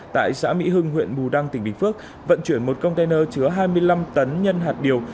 tại xã mỹ hưng huyện bù đăng tỉnh bình phước vận chuyển một container chứa hai mươi năm tấn nhân hạt điều